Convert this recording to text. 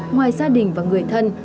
ngoài gia đình và người thân